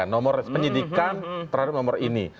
nomor penyidikan terhadap nomor ini